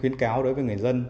khuyến cáo đối với người dân